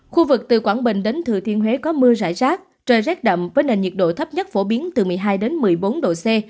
khu vực từ quảng bình đến thừa thiên huế có mưa rải rác trời rét đậm với nền nhiệt độ thấp nhất phổ biến từ một mươi hai đến một mươi bốn độ c